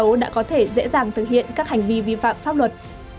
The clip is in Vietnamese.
số đã có thể dễ dàng thực hiện các hành vi vi phạm pháp luật